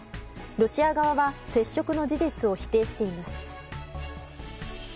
ロシア側は接触の事実を否定しています。